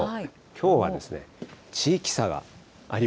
きょうはですね、地域差がありま